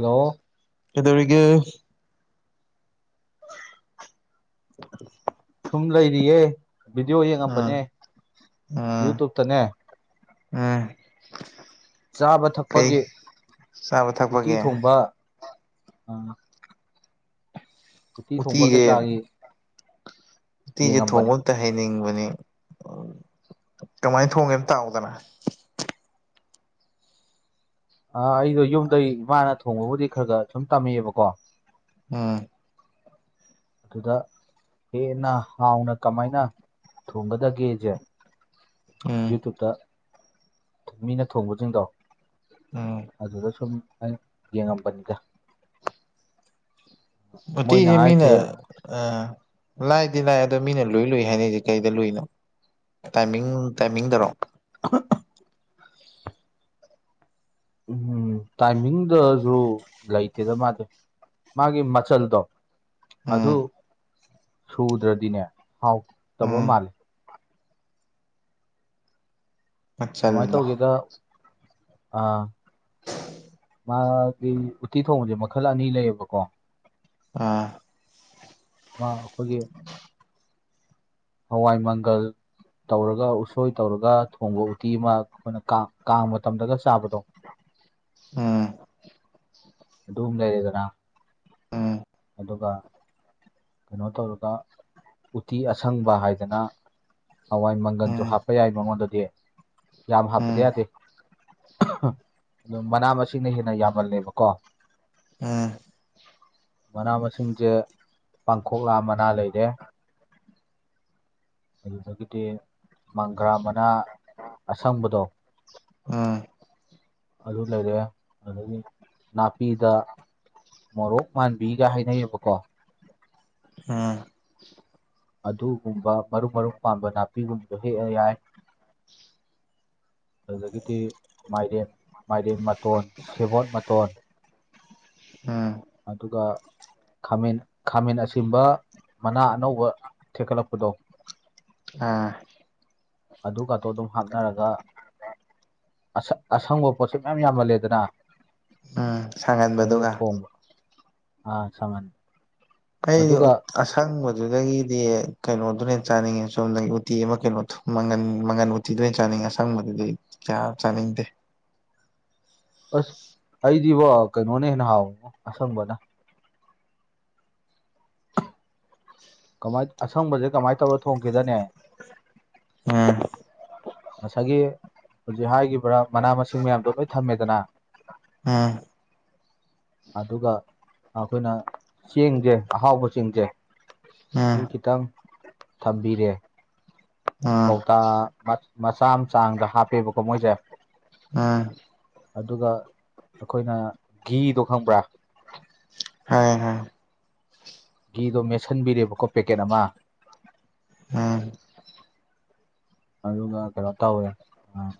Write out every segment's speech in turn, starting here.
ꯂꯥꯎꯋꯣ ꯀꯩꯗꯧꯔꯤꯒꯦ ꯁꯨꯝ ꯂꯩꯔꯤꯌꯦ ꯚꯤꯗꯤꯑꯣ ꯑ ꯌꯦꯡꯉꯝꯕꯅꯦ ꯑꯥ ꯌꯨꯇꯨꯕꯇꯅꯦ ꯑꯥ ꯆꯥꯕ ꯀꯩ ꯊꯛꯄꯒꯤ ꯆꯥꯕ ꯎꯠꯇꯤ ꯊꯛꯄꯒꯤ ꯊꯣꯡꯕ ꯑ ꯎꯇꯤ ꯊꯣꯡꯕ ꯀꯩꯀꯥꯒꯤ ꯎꯇꯤꯖꯦ ꯊꯣꯡꯕ ꯌꯦꯡꯉꯝꯕꯅꯦ ꯑꯝꯇ ꯍꯩꯅꯤꯡꯕꯅꯤ ꯀꯃꯥꯏ ꯊꯣꯡꯒꯦ ꯑꯝ ꯇꯥꯎꯗꯅ꯫ ꯑ ꯑꯩꯗꯣ ꯌꯨꯝꯗꯩ ꯏꯃꯥ ꯊꯣꯡꯕꯕꯨꯗꯤ ꯈꯒ ꯁꯨꯝ ꯇꯝꯃꯦꯑꯦꯕꯀꯣ꯫ ꯑ ꯑꯗꯨꯗ ꯍꯦꯟꯅ ꯍꯥꯎꯅ ꯀꯃꯥꯏꯅ ꯊꯣꯡꯒꯗꯒꯦꯁꯦ ꯎꯝ ꯌꯨꯇꯨꯞꯇ ꯃꯤꯅ ꯊꯣꯡꯕꯖꯤꯡꯗꯣ ꯎꯝ ꯑꯗꯨꯗ ꯁꯨꯝ ꯑꯩ ꯌꯦꯡꯉꯝꯕꯅꯤꯗ ꯃꯣꯏꯅ ꯎꯇꯤꯖꯦ ꯃꯤꯅ ꯍꯥꯏꯁꯦ ꯑ ꯂꯥꯢꯗꯤ ꯂꯥꯢ ꯑꯗꯣ ꯃꯤꯅ ꯂꯨꯏ ꯂꯨꯏ ꯍꯥꯏꯅꯖꯦ ꯀꯩꯗ ꯂꯨꯏꯅꯣ꯫ ꯇꯥꯏꯃꯤꯡ ꯇꯥꯏꯃꯤꯡꯗꯔꯣ [inaudible] ꯎꯝꯍꯝ ꯇꯥꯏꯃꯤꯡꯗꯖꯨ ꯂꯩꯇꯦꯗ ꯃꯥꯗꯤ ꯃꯥꯒꯤ ꯃꯆꯜꯗꯣ ꯎꯝ ꯑꯗꯨ ꯁꯨꯗ꯭ꯔꯗꯤꯅꯦ ꯍꯥꯎ ꯇꯕ ꯎꯝ ꯃꯥꯜꯂꯦ꯫ ꯀꯃꯥꯏꯅ ꯃꯆꯜꯂꯣ ꯇꯧꯒꯦꯗ ꯑ ꯃꯥꯗꯤ ꯎꯇꯤ ꯊꯣꯡꯕꯖꯦ ꯃꯈꯜ ꯑꯅꯤ ꯂꯩꯌꯦꯕꯀꯣ꯫ ꯑꯥ ꯃꯥ ꯑꯈꯣꯏꯒꯤ ꯍꯋꯥꯏ ꯃꯪꯒꯜ ꯇꯧꯔꯒ ꯎꯁꯣꯏ ꯇꯧꯔꯒ ꯊꯣꯡꯕ ꯎꯇꯤ ꯑꯃ ꯑꯈꯣꯏꯅ ꯀꯥꯡ-ꯀꯥꯡ ꯃꯇꯝꯗꯒ ꯆꯥꯕꯗꯣ ꯎꯝ ꯑꯗꯨꯝꯃ ꯂꯩꯔꯦꯗꯅ ꯎꯝ ꯑꯗꯨꯒ ꯀꯩꯅꯣ ꯇꯧꯔꯒ ꯎꯇꯤ ꯑꯁꯪꯕ ꯍꯥꯏꯗꯅ ꯍꯋꯥꯏ ꯃꯪꯒꯟꯖꯨ ꯎꯝ ꯍꯥꯞꯄ ꯌꯥꯏ ꯃꯉꯣꯟꯗꯗꯤ ꯌꯥꯝ ꯍꯥꯞꯄꯗꯤ ꯎꯝ ꯌꯥꯗꯦ꯫ ꯑꯗꯣ ꯃꯅꯥ ꯃꯁꯤꯡꯅ ꯍꯦꯟꯅ ꯌꯥꯝꯃꯜꯂꯦꯕꯀꯣ꯫ ꯎꯝ ꯎꯝ ꯃꯅꯥ ꯃꯁꯤꯡꯖꯦ ꯄꯥꯡꯈꯣꯛꯂꯥ ꯃꯅꯥ ꯂꯩꯔꯦ꯫ ꯑꯗꯨꯗꯒꯤꯗꯤ ꯃꯪꯒ꯭ꯔꯥ ꯃꯅꯥ ꯑꯁꯪꯕꯗꯣ ꯑ ꯑꯗꯨ ꯂꯩꯔꯦ ꯑꯗꯒꯤ ꯅꯥꯄꯤꯗ ꯃꯣꯔꯣꯛ ꯃꯥꯟꯕꯤꯒ ꯍꯥꯏꯅꯩꯌꯦꯕꯀꯣ꯫ ꯑ ꯑꯗꯨꯒꯨꯝꯕ ꯃꯔꯨꯝ-ꯃꯔꯨꯝ ꯄꯥꯟꯕ ꯅꯥꯄꯤꯒꯨꯝꯕ ꯍꯦꯛꯑ ꯌꯥꯏ꯫ ꯑꯗꯨꯗꯒꯤꯗꯤ ꯃꯥꯏꯔꯦꯟ ꯃꯥꯏꯔꯦꯟ ꯃꯇꯣꯟ ꯁꯦꯕꯣꯠ ꯃꯇꯣꯟ ꯑ ꯑꯗꯨꯒ ꯈꯥꯃꯦꯟ ꯈꯥꯃꯦꯟ ꯑꯁꯤꯝꯕ ꯃꯅꯥ ꯑꯅꯧꯕ ꯊꯦꯛꯀꯠꯂꯛꯄꯗꯣ ꯑ ꯑꯗꯨꯒꯇꯣ ꯑꯗꯨꯝ ꯍꯥꯞꯅꯔꯒ ꯑꯁ ꯑꯁꯪꯕ ꯄꯣꯠꯁꯦ ꯃꯌꯥꯝ ꯌꯥꯝꯃꯜꯂꯦꯗꯅ ꯎꯝ ꯑꯗꯨꯒ ꯁꯥꯡꯍꯟꯕꯗꯨꯒ ꯊꯣꯡꯕ ꯑꯥ ꯁꯪꯍꯟ ꯑꯩꯗꯤ ꯑꯗꯨꯒ ꯑꯁꯪꯕꯗꯨꯗꯒꯤꯗꯤ ꯀꯩꯅꯣꯗꯨꯅꯦ ꯍꯦꯟꯅꯥ ꯆꯥꯅꯤꯡꯉꯦ ꯆꯨꯝꯅꯥꯒꯤ ꯎꯇꯤ ꯑꯃ ꯀꯩꯅꯣꯗꯣ ꯃꯪꯒꯟ ꯃꯪꯒꯟ ꯎꯠꯇꯤꯗꯣꯏ ꯆꯥꯅꯤꯡꯉꯦ ꯑꯁꯪꯕꯗꯨꯗꯤ ꯀꯌꯥ ꯆꯥꯅꯤꯡꯗꯦ ꯑꯁ ꯑꯩꯗꯤꯕꯣ ꯀꯩꯅꯣꯅ ꯍꯦꯟꯅ ꯍꯥꯎꯌꯤꯉꯣ ꯑꯁꯪꯕꯅ ꯀꯃꯥꯏ ꯑꯁꯪꯕꯁꯦ ꯀꯃꯥꯏꯅ ꯇꯧꯔ ꯊꯣꯡꯒꯦꯗꯅꯦ ꯎꯝ ꯉꯁꯥꯏꯒꯤ ꯍꯧꯖꯤꯛ ꯍꯥꯏꯈꯤꯕ꯭ꯔꯥ ꯃꯅꯥ ꯃꯁꯤꯡ ꯃꯌꯥꯝꯗꯣ ꯂꯣꯏ ꯊꯝꯃꯦꯗꯅ [inaudible] ꯑꯗꯨꯒ ꯑꯩꯈꯣꯏꯅ ꯆꯦꯡꯁꯦ ꯑꯍꯥꯎꯕ ꯆꯦꯡꯁꯦ ꯁꯤ ꯎꯝ ꯈꯤꯇꯪ ꯊꯝꯕꯤꯔꯦ ꯎꯝ ꯀꯧꯇꯥ ꯃꯆꯥꯥ ꯑꯃ ꯆꯥꯡꯗ ꯍꯥꯞꯄꯦꯕꯀꯣ ꯃꯣꯏꯁꯦ ꯑꯥ ꯑꯗꯨꯒ ꯑꯩꯈꯣꯏꯅ ꯘꯤꯗꯣ ꯈꯪꯕ꯭ꯔꯥ ꯈꯪꯉꯦ ꯈꯪꯉꯦ ꯘꯤꯗꯣ ꯃꯦꯠꯁꯤꯟꯕꯤꯔꯦꯕꯀꯣ ꯄꯦꯀꯦꯠ ꯑꯃ ꯎꯝ ꯑꯗꯨꯒ ꯀꯩꯅꯣ ꯇꯧꯔꯦ ꯑꯥ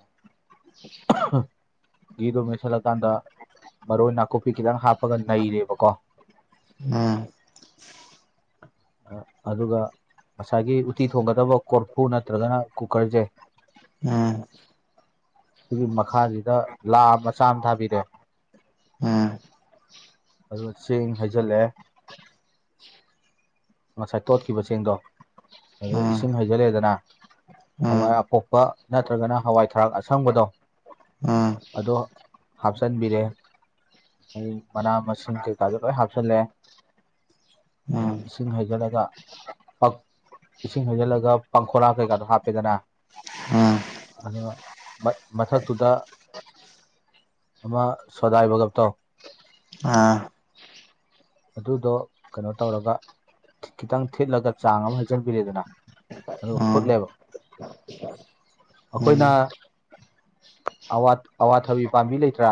[inaudible] ꯒꯤꯘꯨ ꯃꯦꯠꯁꯜꯂꯀꯥꯟꯗ ꯃꯔꯣꯏ ꯅꯥꯀꯨꯞꯄꯤ ꯈꯤꯇꯪ ꯍꯥꯞꯄꯒ ꯅꯩꯔꯦꯕꯀꯣ ꯑꯥ [inaudible] ꯑꯥ ꯑꯗꯨꯒ ꯉꯁꯥꯏꯒꯤ ꯎꯠꯇꯤ ꯊꯣꯡꯒꯗꯕ ꯀꯣꯔꯐꯨ ꯅꯠꯇ꯭ꯔꯒꯅ ꯀꯨꯀꯔ ꯖꯦ ꯑꯥ ꯁꯤꯒꯤ ꯃꯈꯥꯁꯤꯗ ꯂꯥ ꯃꯆꯥ ꯑꯃ ꯊꯥꯕꯤꯔꯦ ꯎꯝ ꯎꯝ ꯑꯗꯨꯒꯥ ꯁꯦꯡ ꯍꯩꯖꯤꯜꯂꯦ ꯉꯁꯥꯏ ꯇꯣꯠꯈꯤꯕ ꯆꯦꯡꯗꯣ ꯑꯗꯨꯗꯥ ꯏꯁꯤꯡ ꯍꯩꯖꯤꯜꯂꯦꯗꯅ ꯎꯝ ꯍꯋꯥꯏ ꯑꯄꯣꯛꯄ ꯅꯠꯇ꯭ꯔꯒꯅ ꯍꯋꯥꯏ ꯊꯔꯥꯛ ꯑꯁꯪꯕꯗꯣ ꯎꯝ ꯑꯗꯣ ꯍꯥꯞꯆꯤꯟꯕꯤꯔꯦ ꯑꯗꯩꯩ ꯃꯅꯥ ꯃꯁꯤꯡ ꯀꯩꯀꯥꯗꯣ ꯂꯣꯏ ꯍꯥꯞꯆꯤꯜꯂꯦ ꯎꯝ ꯏꯁꯤꯡ ꯍꯩꯖꯤꯜꯂꯒ ꯄꯥꯡ ꯏꯁꯤꯡ ꯍꯩꯖꯤꯜꯂꯒ ꯄꯥꯡꯈꯣꯛꯂꯥ ꯀꯩꯀꯥꯗꯣ ꯍꯥꯞ ꯍꯞꯄꯦꯗꯅ ꯎꯝ ꯑꯗꯨꯒ ꯃꯥ ꯃꯊꯛꯇꯨꯗ ꯑꯃ ꯁꯣꯗꯥꯏꯕꯒꯞꯇꯣ ꯑ ꯑꯗꯨꯗꯣ ꯀꯩꯅꯣ ꯇꯧꯔꯒ ꯈꯤꯇꯪ ꯊꯦꯠꯂꯒ ꯆꯥꯡ ꯑꯃ ꯍꯩꯖꯟꯕꯤꯔꯦꯗꯅ ꯑꯗꯨꯒ ꯎꯝ ꯐꯨꯠꯂꯦꯕ [inaudible] ꯎꯝ ꯑꯩꯈꯣꯏꯅ ꯑꯋꯥ ꯑꯋꯥꯊꯥꯕꯤ ꯄꯥꯝꯕꯤ ꯂꯩꯇ꯭ꯔꯥ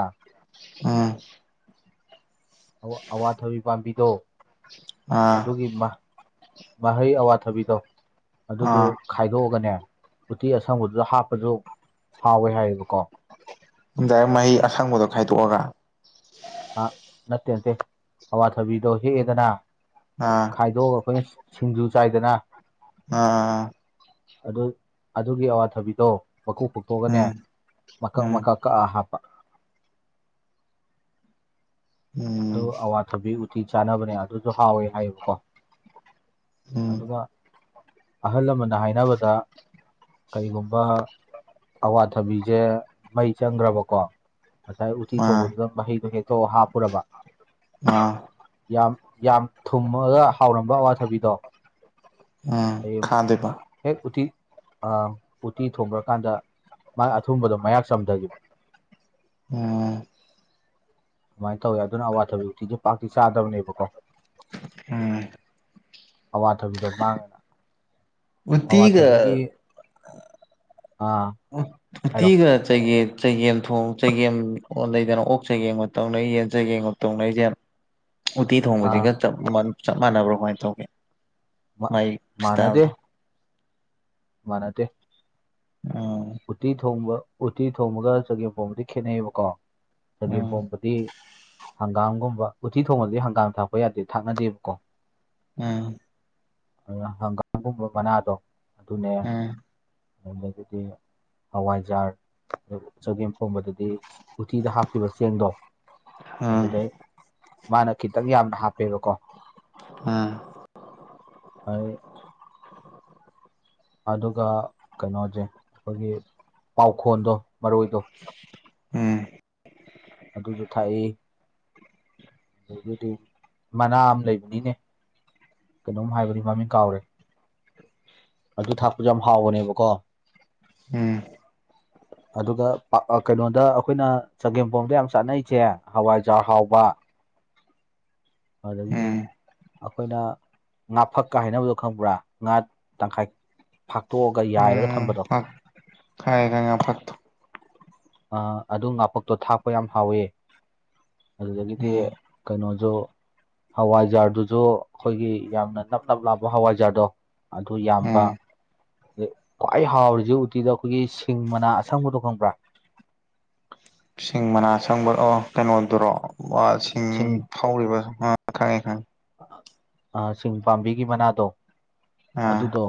ꯑꯥ ꯑꯋꯥ ꯑꯋꯥꯊꯥꯕꯤ ꯄꯥꯝꯕꯤꯗꯣ ꯑꯥ ꯑꯗꯨꯒꯤ ꯃꯥ ꯃꯍꯩ ꯑꯋꯥꯊꯕꯤꯗꯣ ꯑꯗꯨꯗꯨ ꯑꯥ ꯈꯥꯏꯗꯣꯛꯑꯒꯅꯦ ꯎꯇꯤ ꯑꯁꯪꯕꯗꯨꯗ ꯍꯥꯞꯄꯁꯨ ꯍꯥꯎꯋꯦ ꯍꯥꯏꯌꯦꯕꯀꯣ ꯎꯝ ꯗꯥꯏꯔꯦꯛ ꯃꯍꯩ ꯑꯁꯪꯕꯗꯣ ꯈꯥꯏꯗꯣꯛꯑꯒ ꯑ ꯅꯠꯇꯦ ꯅꯠꯇꯦ ꯑꯋꯥꯊꯕꯤꯗꯣ ꯍꯦꯛꯑꯦꯗꯅ ꯑꯥ ꯈꯥꯏꯗꯣꯛꯑꯒ ꯑꯩꯈꯣꯏꯅ ꯁꯤꯡꯖꯨ ꯆꯥꯏꯗꯅ ꯑꯥ ꯑꯗꯨ ꯑꯗꯨꯒꯤ ꯑꯋꯥꯊꯕꯤꯗꯣ ꯃꯀꯨ ꯈꯣꯛꯇꯣꯛꯑꯒꯅꯦ ꯑꯥ ꯃꯀꯛ ꯎꯝ ꯃꯀꯛ ꯀꯛꯑꯥ ꯍꯥꯞꯄ ꯑꯗꯨ ꯎꯝ ꯑꯋꯥꯊꯕꯤ ꯕꯨꯗꯤ ꯆꯥꯅꯕꯅꯦ ꯑꯗꯨꯗꯣ ꯍꯥꯎꯋꯦ ꯍꯥꯏꯌꯦꯕꯀꯣ ꯎꯝ ꯑꯗꯨꯒ ꯎꯝ ꯑꯍꯜ ꯂꯃꯟꯅ ꯍꯥꯏꯅꯕꯗ ꯀꯔꯤꯒꯨꯝꯕ ꯑꯋꯥꯊꯕꯤꯁꯦ ꯃꯩ ꯆꯪꯈ꯭ꯔꯕꯀꯣ ꯉꯁꯥꯏ ꯎꯇꯤ ꯑꯥ ꯊꯣꯡꯕꯗꯨꯗ ꯃꯍꯩꯗꯣ ꯍꯦꯛꯇꯣ ꯍꯥꯞꯄꯨꯔꯕ ꯑꯥ ꯌꯥꯝ ꯌꯥꯝ ꯊꯨꯝꯃꯒ ꯍꯥꯎꯔꯝꯕ ꯑꯋꯥꯊꯕꯤꯗꯣ ꯎꯝ ꯈꯥꯗꯣꯏꯕ [unintelligible] ꯍꯦꯛ ꯎꯇꯤ ꯑ ꯎꯇꯤ ꯊꯣꯡꯈ꯭ꯔꯀꯥꯟꯗ ꯃꯥ ꯑꯊꯨꯝꯕꯗꯣ ꯃꯌꯥꯛ ꯆꯝꯊꯈꯤꯕ ꯎꯝ ꯑꯗꯨꯃꯥꯏ ꯇꯧꯋꯦ ꯑꯗꯨꯅ ꯑꯋꯥꯊꯕꯤ ꯎꯇꯤꯗꯣ ꯄꯥꯛꯇꯤ ꯆꯥꯗꯕꯅꯦꯕꯀꯣ ꯎꯝ ꯑꯋꯥꯊꯕꯤꯗꯣ ꯃꯥꯡꯉꯒ ꯑꯋꯥꯊꯕꯤꯒꯤ ꯎꯇꯤꯒ ꯑꯥ ꯍꯥꯏꯔꯣ ꯎꯇꯤꯒ ꯆꯒꯦꯝ ꯆꯒꯦꯝ ꯊꯣꯡ ꯆꯒꯦꯝ ꯑꯣ ꯂꯩꯗꯅ ꯑꯣꯛ ꯆꯒꯦꯝꯒ ꯇꯧꯅꯩ ꯌꯦꯟ ꯆꯒꯦꯝꯒ ꯇꯧꯅꯩꯖꯦ ꯎꯠꯇꯤ ꯑꯥ ꯊꯣꯡꯕꯁꯤꯒ [unintelligible] ꯆꯞ ꯃꯥꯟꯅꯕ꯭ꯔ ꯀꯃꯥꯏ ꯇꯧꯒꯦ ꯃꯥꯏ ꯃꯥꯟꯅꯗꯦ ꯏꯁꯇꯥꯏꯜꯗꯣ ꯃꯥꯟꯅꯗꯦ ꯎꯝ ꯎꯇꯤ ꯊꯣꯡꯕ ꯎꯇꯤ ꯊꯣꯡꯕꯒ ꯆꯒꯦꯝ ꯄꯣꯝꯕꯒꯗꯤ ꯈꯦꯠꯅꯩꯕ ꯀꯣ ꯆꯒꯦꯝ ꯎꯝ ꯄꯣꯝꯕꯗꯤ ꯍꯪꯒꯥꯝꯒꯨꯝꯕ ꯎꯇꯤ ꯊꯣꯡꯕꯗꯤ ꯍꯪꯒꯥꯝ ꯊꯥꯛꯄ ꯌꯥꯗꯦ ꯊꯥꯛꯅꯗꯦꯕꯀꯣ ꯎꯝ ꯑꯗꯨꯅ ꯍꯪꯒꯥꯝꯒꯨꯝꯕ ꯃꯅꯥꯗꯣ ꯑꯗꯨꯅꯦ ꯎꯝ [unintelligible] ꯑꯗꯨꯗꯤ ꯍꯋꯥꯏꯖꯥꯔ ꯆꯒꯦꯝ ꯄꯣꯕꯗꯗꯤ ꯎꯇꯤꯗ ꯍꯥꯞꯈꯤꯕ ꯆꯦꯡꯗꯣ ꯎꯝ ꯑꯗꯨꯗꯩ ꯃꯥꯅ ꯈꯤꯇꯪ ꯌꯥꯝꯅ ꯍꯥꯞꯄꯦꯕꯀꯣ ꯎꯝ [unintelligible] ꯍꯥꯏꯌꯦ ꯑꯗꯨꯒ ꯀꯩꯅꯣꯖꯦ ꯑꯩꯈꯣꯏꯒꯤ ꯄꯥꯎꯈꯣꯟꯗꯣ ꯃꯔꯣꯏꯗꯣ ꯎꯝ ꯑꯗꯨꯁꯨ ꯊꯥꯛꯏ ꯑꯗꯨꯗꯤ ꯃꯅꯥ ꯑꯃꯥ ꯂꯩꯕꯅꯤꯅꯦ ꯀꯩꯅꯣꯝ ꯍꯥꯏꯕꯅꯤ ꯃꯃꯤꯡ ꯀꯥꯎꯔꯦ ꯑꯗꯨ ꯊꯥꯛꯄ ꯌꯥꯝ ꯍꯥꯎꯕꯅꯦꯕꯀꯣ ꯎꯝ ꯑꯗꯨꯒ ꯄꯥ ꯑ ꯀꯩꯅꯣꯗ ꯑꯩꯈꯣꯏꯅ ꯆꯒꯦꯝꯄꯣꯝꯗ ꯌꯥꯝ ꯆꯥꯅꯩꯁꯦ ꯍꯋꯥꯏꯖꯥꯔ ꯍꯥꯎꯕ [inaudible] ꯑꯗꯒꯤꯗꯤ ꯎꯝ ꯑꯩꯈꯣꯏꯅ ꯉꯥꯐꯛꯀ ꯍꯥꯏꯅꯕꯗꯣ ꯈꯪꯕ꯭ꯔꯥ ꯉꯥ ꯇꯪꯈꯥꯏ ꯐꯥꯛꯇꯣꯛꯑꯒ ꯌꯥꯏꯔꯒ ꯊꯝꯕꯗꯣ ꯈꯪꯉꯦ ꯈꯪꯉꯦ ꯉꯥꯐꯛꯇꯣ ꯑ ꯑꯗꯨ ꯉꯥꯐꯛꯇꯣ ꯊꯥꯛꯄ ꯌꯥꯝ ꯍꯥꯎꯋꯦ ꯑꯗꯨꯗꯒꯤꯗꯤ ꯎꯝ ꯀꯩꯅꯣꯖꯨ ꯍꯋꯥꯏꯖꯥꯔꯗꯨꯁꯨ ꯑꯩꯈꯣꯏꯒꯤ ꯌꯥꯝꯅ ꯅꯞ ꯅꯞ ꯂꯥꯎꯕ ꯍꯋꯥꯏꯖꯥꯔꯗꯣ ꯑꯗꯣ ꯌꯥꯝꯕ ꯎꯝ ꯈ꯭ꯋꯥꯏ ꯍꯥꯎꯔꯤꯖꯦ ꯎꯇꯤꯗ ꯑꯩꯈꯣꯏꯒꯤ ꯁꯤꯡ ꯃꯅꯥ ꯑꯁꯪꯕꯗꯣ ꯈꯪꯕ꯭ꯔꯥ ꯁꯤꯡ ꯃꯅꯥ ꯑꯁꯪꯕ ꯑꯣ ꯀꯩꯅꯣꯗꯨꯔꯣ ꯋ ꯁꯤꯡ ꯍꯧꯔꯤꯕ ꯑꯣ ꯈꯪꯉꯦ ꯈꯪꯉꯦ ꯑ ꯁꯤꯡ ꯄꯥꯝꯕꯤꯒꯤ ꯃꯅꯥꯗꯣ ꯑꯥ ꯑꯗꯨꯗꯣ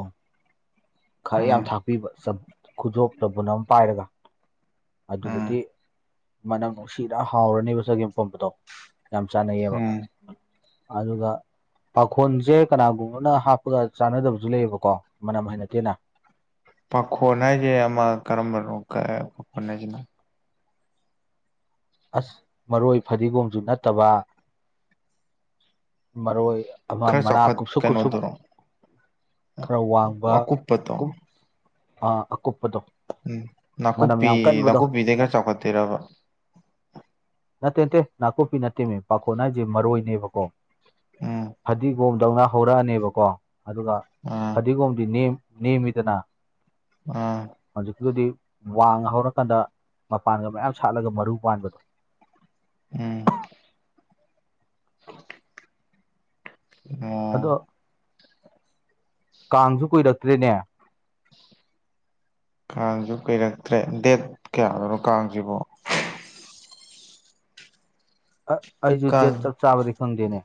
ꯈꯔ ꯎꯝ ꯌꯥꯝ ꯊꯥꯛꯄꯤꯕ ꯆꯞ ꯈꯨꯖꯣꯛ ꯆꯕꯨꯜ ꯑꯃꯥ ꯄꯥꯏꯔꯒ ꯑꯗꯨꯗꯗꯤ ꯎꯝ ꯃꯅꯝ ꯅꯨꯡꯁꯤꯅ ꯍꯥꯎꯔꯅꯤꯕ ꯆꯒꯦꯝ ꯄꯣꯝꯕꯗꯣ ꯌꯥꯝ ꯆꯥꯟꯅꯩꯌꯦꯕ ꯎꯝ ꯑꯗꯨꯒ ꯄꯥꯈꯣꯟꯖꯦ ꯀꯅꯥꯒꯨꯝꯕꯅ ꯍꯥꯞꯄꯒ ꯆꯥꯟꯅꯗꯕꯁꯨ ꯂꯩꯌꯦꯕꯀꯣ ꯃꯅꯝ ꯍꯩꯅꯗꯦꯅ ꯄꯥꯈꯣꯟ ꯍꯥꯏꯖꯦ ꯑꯃꯥ ꯀꯔꯝꯕꯅꯣ ꯀ ꯑꯦ ꯄꯥꯈꯣꯟ ꯍꯥꯏꯖꯤꯅ ꯑꯁ ꯃꯔꯣꯏ ꯐꯗꯤꯒꯣꯝꯁꯨ ꯅꯠꯇꯕ ꯃꯔꯣꯏ ꯑꯃꯥ ꯈꯔ ꯃꯅꯥ ꯆꯥꯎꯈꯠ ꯀꯨꯞꯁꯨꯞ ꯀꯨꯁꯨꯞ ꯀꯩꯅꯣꯗꯨꯔꯣ ꯈꯔ ꯋꯥꯡ ꯑꯀꯨꯞꯄꯗꯣ ꯑ ꯑꯀꯨꯞꯄꯗꯣ ꯎꯝ ꯃꯅꯝ ꯅꯥꯀꯨꯞꯄꯤ ꯌꯥꯝ ꯀꯟꯕꯗꯣ ꯅꯥꯀꯨꯞꯄꯤꯗꯩ ꯈꯔ ꯆꯥꯎꯈꯠꯇꯣꯏꯔꯕ ꯅꯠꯇꯦ ꯅꯠꯇꯦ ꯅꯥꯀꯨꯞꯄꯤ ꯅꯠꯇꯦꯃꯦ ꯄꯥꯈꯣꯟ ꯍꯥꯏꯖꯦ ꯃꯔꯣꯏꯅꯦꯕꯀꯣ ꯎꯝ ꯐꯗꯤꯒꯣꯝꯗꯧꯅ ꯍꯧꯔꯛꯑꯅꯦꯕꯀꯣ ꯑꯗꯨꯒ ꯑꯥ ꯐꯗꯤꯒꯣꯝꯗꯤ ꯅꯦꯝ ꯅꯦꯝꯃꯤꯗꯅ ꯑꯥ ꯍꯧꯖꯤꯛꯀꯤꯗꯨꯗꯤ ꯋꯥꯡ ꯍꯧꯔꯀꯥꯟꯗ ꯃꯄꯥꯟꯒ ꯃꯌꯥꯝ ꯁꯥꯠꯂꯒ ꯃꯔꯨ ꯄꯥꯟꯕꯗꯣ ꯎꯝ ꯑꯣ ꯑꯗꯣ ꯀꯥꯡꯁꯨ ꯀꯨꯏꯔꯛꯇ꯭ꯔꯦꯅꯦ ꯀꯥꯡꯁꯨ ꯀꯩꯔꯛꯇ꯭ꯔꯦ ꯗꯦꯠ ꯀꯌꯥꯗꯅꯣ ꯀꯥꯡꯁꯤꯕꯣ ꯑ ꯑꯩꯁꯨ ꯀꯥꯡ ꯗꯦꯠ ꯆꯞ ꯆꯥꯕꯗꯤ ꯈꯪꯗꯦꯅꯦ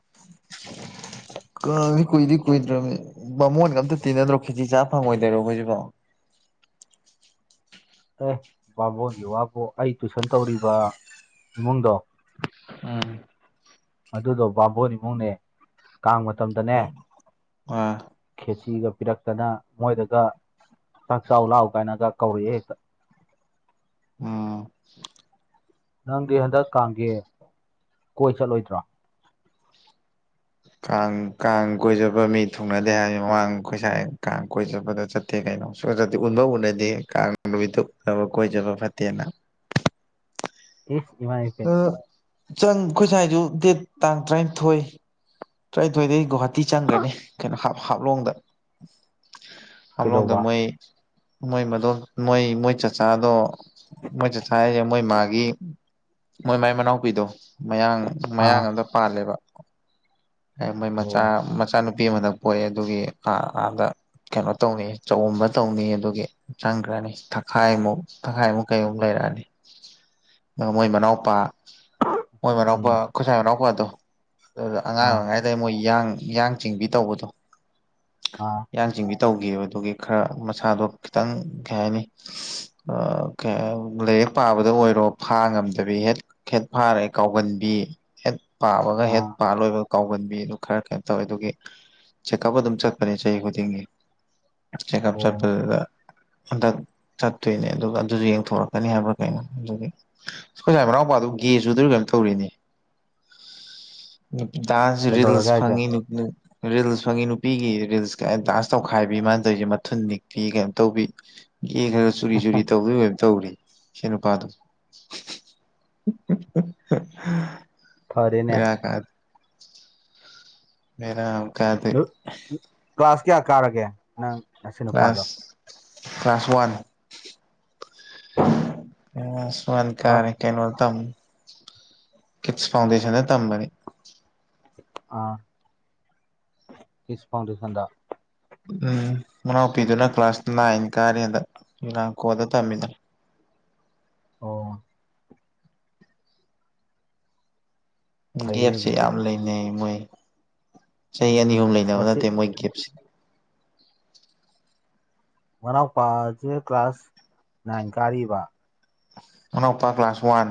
ꯀꯥꯡꯁꯦ ꯀꯨꯏꯗꯤ ꯀꯨꯏꯗ꯭ꯔꯝꯅꯤ ꯕꯥꯃꯣꯟꯒ ꯑꯝꯇ ꯇꯤꯟꯅꯗ꯭ꯔꯣ ꯈꯦꯖꯤ ꯆꯥ ꯐꯪꯉꯣꯏꯗꯣꯏꯔꯣ ꯑꯩꯈꯣꯏꯁꯤꯕꯣ ꯑꯦ ꯕꯥꯃꯣꯟꯒꯤ ꯋꯥꯕꯨ ꯑꯩ ꯇꯨꯏꯁꯟ ꯇꯧꯔꯤꯕ ꯏꯃꯨꯡꯗꯣ ꯎꯝ ꯑꯗꯨꯗꯣ ꯕꯥꯃꯣꯟ ꯏꯃꯨꯡꯅꯦ ꯀꯥꯡ ꯃꯇꯝꯗꯅꯦ ꯑ ꯈꯦꯆꯤꯒ ꯄꯤꯔꯛꯇꯅ ꯃꯣꯏꯗꯒ ꯆꯥꯛ ꯆꯥꯎ ꯂꯥꯛꯎ ꯀꯥꯏꯅꯒ ꯀꯧꯔꯛꯑꯦ ꯍꯦꯛꯇ ꯎꯝ ꯅꯪꯗꯤ ꯍꯟꯗꯛ ꯀꯥꯡꯒꯤ ꯀꯣꯏ ꯆꯠꯂꯣꯏꯗ꯭ꯔꯣ ꯀꯥꯡ ꯀꯥꯡ ꯀꯣꯏ ꯆꯠꯄ ꯃꯤ ꯊꯨꯡꯅꯗꯦ ꯍꯥꯏ ꯃꯃꯥꯡ ꯈꯣꯏꯁꯥꯏ ꯀꯥꯡ ꯀꯣꯏꯆꯠꯄꯗ ꯆꯠ ꯇꯦ ꯀꯩꯅꯣ ꯁꯨꯡꯆꯠ ꯆꯠꯇꯦ ꯎꯟꯕꯥꯎ ꯎꯅꯗꯦ ꯀꯥꯅ ꯅꯨꯃꯤꯠꯇ ꯎꯕ ꯀꯣꯏ ꯆꯠꯄ ꯐꯠꯇꯦꯅ ꯏ ꯆꯪ ꯑꯩꯈꯣꯏ ꯁꯥꯏꯁꯨ ꯗꯦꯠ ꯇꯥꯡ ꯇꯔꯥꯅꯤꯊꯣꯏ ꯇꯔꯥꯅꯤꯊꯣꯏꯗꯩ ꯒꯨꯍꯥꯇꯤ ꯆꯪꯈ꯭ꯔꯅꯤ ꯀꯩꯅꯣ ꯍꯥ ꯍꯥꯞꯂꯣꯡꯗ ꯀꯩꯗꯧꯕ ꯍꯥꯝꯂꯣꯡꯗ ꯃꯣꯏ ꯃꯣꯏ ꯃꯗꯣꯝ ꯃꯣꯏ ꯃꯣꯏ ꯆꯆꯥꯗꯣ ꯃꯣꯏ ꯆꯆꯥ ꯍꯥꯏꯁꯦ ꯃꯣꯏ ꯃꯥꯒꯤ ꯃꯣꯏ ꯃꯥꯏ ꯃꯅꯥꯎꯄꯤꯗꯣ ꯃꯌꯥꯡ ꯃꯌꯥꯡ ꯑꯥ ꯑꯝꯗ ꯄꯥꯜꯂꯦꯕ ꯃꯣꯏ ꯃꯆꯥ ꯑꯣ ꯃꯆꯥꯅꯨꯄꯤ ꯑꯃꯗ ꯄꯣꯛꯑꯦ ꯑꯗꯨꯒꯤ ꯑ ꯑꯥꯗ ꯀꯩꯅꯣ ꯇꯧꯅꯤ ꯆꯎꯝꯕ ꯇꯧꯅꯤ ꯑꯗꯨꯒꯤ ꯆꯪꯈ꯭ꯔꯅꯤ ꯊꯥꯈꯥꯏꯃꯨꯛ ꯊꯛꯈꯥꯏꯃꯨꯛ ꯀꯩꯃꯨꯛ ꯂꯩꯔꯛꯑꯅꯤ ꯃꯣꯏ ꯃꯅꯥꯎꯄꯥ ꯃꯣꯏ ꯃꯅꯥꯎꯄꯥ ꯎꯝ ꯈꯨꯁꯥꯏ ꯃꯅꯥꯎꯄꯥꯗꯣ ꯑꯗꯨꯗ ꯑꯉꯥꯡ ꯑꯥ ꯑꯣꯏꯉꯥꯏ ꯗ ꯃꯣꯏ ꯌꯥꯡ ꯌꯥꯡꯆꯤꯡꯕꯤ ꯇꯧꯕꯗꯣ ꯑꯥ ꯌꯥꯡ ꯆꯤꯡꯕꯤ ꯇꯧꯈꯤꯕ ꯑꯗꯨꯒꯤ ꯈꯔ ꯃꯁꯥꯗꯣ ꯈꯤꯇꯪ ꯀꯩ ꯍꯥꯏꯅꯤ ꯂꯥꯏꯔꯤꯛ ꯄꯥꯕꯗ ꯑꯣꯏꯔꯣ ꯐꯥ ꯉꯝꯗꯕꯤ ꯍꯦꯛ ꯍꯦꯠ ꯐꯥꯔꯦ ꯀꯥꯎꯒꯟꯕꯤ ꯍꯦꯠ ꯄꯥꯕꯒ ꯍꯦꯠ ꯑꯥ ꯃꯥ ꯂꯣꯏꯕ ꯀꯥꯎꯒꯟꯕꯤ ꯑꯗꯨ ꯈꯔ ꯀꯩꯅꯣ ꯇꯧꯋꯦ ꯑꯗꯨꯒꯤ ꯆꯦꯛꯀꯞ ꯑꯗꯨ ꯆ ꯆ ꯈꯨꯅꯤꯡꯦ ꯆꯦꯛꯀꯞ ꯑꯣ ꯆꯠꯄꯗꯨꯗ ꯍꯟꯗꯛ ꯆꯠꯇꯣꯏꯅꯦ ꯑꯗꯨꯒ ꯑꯗꯨꯁꯨ ꯌꯦꯡꯊꯣꯔꯛꯀꯅꯤ ꯍꯥꯏꯕ꯭ꯔꯥ ꯀꯩꯅꯣ ꯑꯗꯨꯒꯤ ꯑꯈꫭꯏ ꯁꯥꯏ ꯃꯅꯥꯎꯄꯥꯗꯨ ꯒꯦ ꯆꯨꯗꯨꯏꯔ ꯀꯩꯅꯣꯝ ꯇꯧꯔꯤꯅꯤ ꯗꯥꯟꯁ ꯔꯤꯜꯁ ꯀꯩꯗꯧꯔꯒꯦ ꯍꯥꯏꯁꯦ ꯐꯪꯉꯤ ꯅꯨꯨꯞ ꯅꯨꯄꯤ ꯔꯤꯜꯁ ꯐꯪꯉꯤ ꯅꯨꯄꯤꯒꯤ ꯔꯤꯜꯁ ꯀ ꯗꯥꯟꯁ ꯇꯧꯈꯥꯏꯕꯤ ꯃꯥꯅ ꯇꯧꯔꯤꯁꯦ ꯃꯊꯨꯟ ꯅꯤꯛꯄꯤ ꯀꯩꯅꯣ ꯇꯧꯕꯤ ꯒꯦ ꯈꯔ ꯆꯨꯔꯤ ꯆꯨꯔꯤ ꯇꯧꯗꯣꯏꯔ ꯀꯩꯅꫭꯝ ꯇꯧꯔꯤ ꯏꯁꯩꯟꯅꯨꯄꯥꯗꫭ [unintelligible] ꯐꯔꯦꯅꯦ ꯕꯦꯔꯥ ꯀꯥꯗ ꯕꯦꯔꯥꯃ ꯀꯥꯗꫭ ꯀ꯭ꯂꯥꯁ ꯀꯌꯥ ꯀꯥꯔꯒꯦ ꯅꯪ ꯅꯁꯤ ꯅꯨꯄꯥꯗꯣ class class one class one class ꯀꯥꯔꯦ ꯀꯩꯅꯣ ꯇꯝ ꯀꯤꯠꯁ ꯐꯥꯎꯟꯗꯦꯁꯟꯗ ꯇꯝꯕꯅꯤ ꯑꯥ ꯀꯤꯠꯁ ꯐꯥꯎꯗꯦꯁꯟꯗ ꯎꯝ ꯃꯅꯥꯎꯄꯤꯗꯨꯅ ꯀ꯭ꯂꯥꯁ ꯅꯥꯏꯟ ꯀꯥꯔꯤ ꯍꯟꯗꯛ ꯌꯨꯅꯥꯡꯀꯣꯗ ꯇꯝꯃꯤꯗꫭ ꯑꯣ ꯐꯩꯅꯦ ꯒꯦꯞꯁꯦ ꯑꯗꯨꯗꯤ ꯌꯥꯝ ꯂꯩꯅꯩ ꯃꯣꯏ ꯆꯍꯤ ꯑꯅꯤ ꯑꯍꯨꯝ ꯂꯩꯅꯕ ꯃꯁꯤ ꯅꯠꯇꯦ ꯃꯣꯏ ꯒꯦꯞꯁꯦ ꯃꯅꯥꯎꯄꯥꯁꯦ ꯀ꯭ꯂꯥꯁ ꯅꯥꯏꯟ ꯀꯥꯔꯤꯕ ꯃꯅꯥꯎꯄꯥ ꯀ꯭ꯂꯥꯁ ꯋꯥꯟ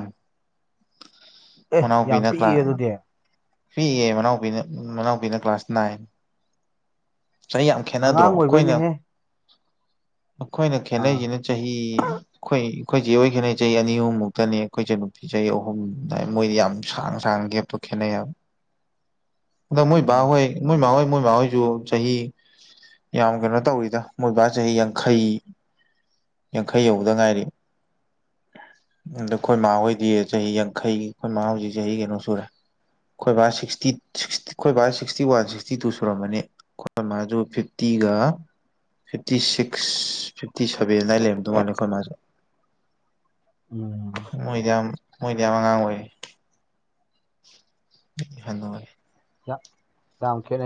ꯑꯦ ꯌꯥꯝ ꯃꯅꯥꯎꯕꯤꯅ ꯄꯤꯛꯏ ꯀ꯭ꯂꯥꯁ ꯑꯗꯨꯗꯤ ꯄꯤꯛꯏꯌꯦ ꯃꯅꯥꯎꯕꯤꯅ ꯃꯅꯥꯎꯕꯤꯅ ꯀ꯭ꯂꯥꯁ ꯅꯥꯏꯟ ꯆꯍꯤ ꯌꯥꯝ ꯈꯦꯅꯗ꯭ꯔꯣ ꯑꯉꯥꯡ ꯑꯩꯈꯣꯏꯅ ꯑꯣꯏꯕꯩꯅꯦꯍꯦ ꯑꯩꯈꯣꯏꯅ ꯑꯥ ꯈꯦꯅꯩꯁꯤꯅ ꯆꯍꯤ ꯑꯩꯈꯣꯏ ꯑꯩꯈꯣꯏꯆꯦꯍꫭꯏ ꯈꯦꯟꯅꯩ ꯆꯍꯤ ꯑꯅꯤ ꯑꯍꯨꯝꯃꯨꯛꯇꯅꯦ ꯑꯩꯈꯣꯏꯆꯟꯅꯨꯄꯤ ꯆꯍꯤ ꯑꯍꯨꯝ ꯗꯥꯏ ꯃꯣꯏꯗꯤ ꯌꯥꯝ ꯁꯥꯡ ꯁꯥꯡꯅ ꯒꯦꯞꯇꯣ ꯈꯦꯠꯅꯩꯑꯕ ꯑꯗꫭ ꯃꯣꯏ ꯎꯝ ꯕꯥꯍꯣꯏ ꯃꯣꯏ ꯃꯥꯍꯣꯏ ꯃꯣꯏ ꯃꯥꯡꯍꯣꯏꯁꯨ ꯆꯍꯤ ꯌꯥꯝ ꯀꯩꯅꯣ ꯇꯧꯔꯤꯗ ꯃꯣꯏꯕꯥ ꯆꯍꯤ ꯌꯥꯡꯈꯩ ꯌꯥꯡꯈꯩ ꯌꯧꯕꯗ ꯉꯥꯏꯔꯤ ꯑꯗ ꯑꯩꯈꯣꯏ ꯃꯥꯍꯣꯏꯗꯤ ꯆꯍꯤ ꯌꯥꯡ ꯈꯧ ꯑꯩꯈꯣꯏ ꯃꯥ ꯍꯧꯖꯤꯛ ꯆꯍꯤ ꯀꯩꯅꯣ ꯁꯨꯔꯦ ꯑꯩꯈꯣꯏ ꯕꯥ ꯁꯤꯛꯁꯇꯤ ꯑꯩꯈꯣꯏ ꯕꯥ ꯁꯤꯛꯁꯇꯤ ꯋꯥꯟ ꯁꯤꯛꯁꯇꯤ ꯇꯨ ꯁꯨꯔꯝꯕꯅꯤ ꯑꯩ ꯃꯥꯁꯨ ꯐꯤꯐꯇꯤꯒ ꯐꯤꯞꯇꯤ ꯁꯤꯛꯁ ꯐꯤꯞꯇꯤ ꯁꯚꯦꯟ ꯍꯥꯏ ꯂꯩꯔꯝꯗꯣ ꯃꯥꯥꯟꯂꯦ ꯑꯩꯈꯣꯏ ꯃꯥꯁꯦ ꯎꯝ ꯃꯣꯏꯗꯝ ꯌꯥꯝ ꯑꯉꯥꯡ ꯑꯣꯏ [unintelligible] ꯌꯥ ꯌꯥꯝ ꯈꯦꯟꯅꯩ